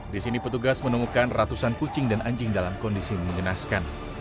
di sini petugas menemukan ratusan kucing dan anjing dalam kondisi mengenaskan